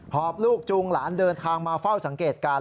อบลูกจูงหลานเดินทางมาเฝ้าสังเกตการณ์